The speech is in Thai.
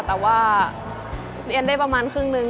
แต่ว่าเรียนได้ประมาณครึ่งนึง